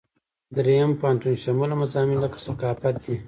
دریم پوهنتون شموله مضامین لکه ثقافت دي.